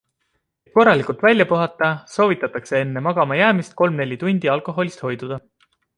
Et korralikult välja puhata, soovitatakse enne magamajäämist kolm-neli tundi alkoholist hoidua.